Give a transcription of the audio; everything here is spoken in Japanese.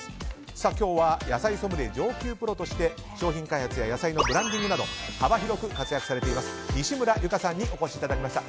今日は、野菜ソムリエ上級プロとして商品開発や野菜のブランディングなど幅広く活躍されている西村有加さんにお越しいただきました。